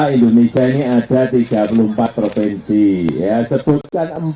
indonesia ini ada tiga puluh empat provinsi ya sebutkan